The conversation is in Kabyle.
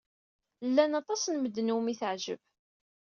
Llan aṭas n medden umi teɛjeb.